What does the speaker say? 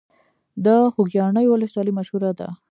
د خوږیاڼیو ولسوالۍ مشهوره ده